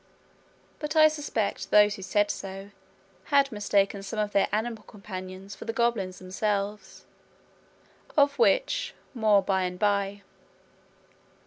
But I suspect those who said so had mistaken some of their animal companions for the goblins themselves of which more by and by.